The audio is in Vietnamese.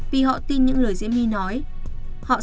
vì họ tin những lời diễm my nói